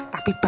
gak bisa ada